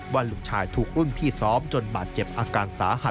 ว่าลูกชายถูกรุ่นพี่ซ้อมจนบาดเจ็บอาการสาหัส